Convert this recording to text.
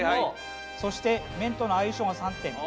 そして麺との相性が３点。